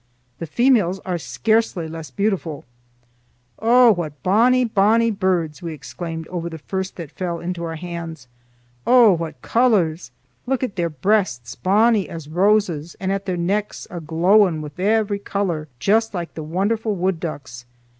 The females are scarcely less beautiful. "Oh, what bonnie, bonnie birds!" we exclaimed over the first that fell into our hands. "Oh, what colors! Look at their breasts, bonnie as roses, and at their necks aglow wi' every color juist like the wonderfu' wood ducks.